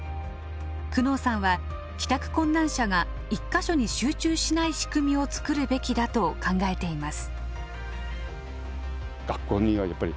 久能さんは帰宅困難者が１か所に集中しない仕組みを作るべきだと考えています。